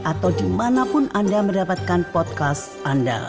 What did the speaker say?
atau dimanapun anda mendapatkan podcast anda